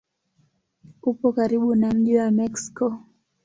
Upo karibu na mji wa Meksiko.